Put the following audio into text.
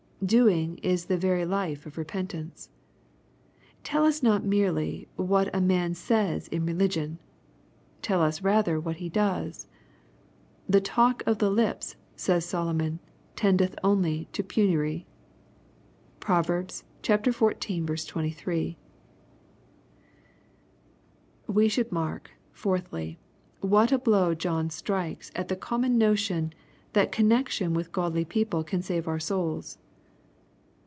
Doing is the very life of repentance. Tell us not merely what a man says in religion. Tell us rather what he does. " The talk of the lips," says Solomon, "tendeth only to penury." (Prov. xiv. 23.) We should mark, fourthly, what a blow John strikes at the common notion^ that connextion with godly people can save our souls.